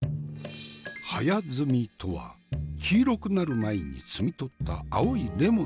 早摘みとは黄色くなる前に摘み取った青いレモンのことじゃな。